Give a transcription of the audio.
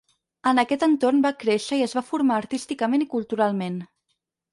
En aquest entorn va créixer i es va formar artísticament i culturalment.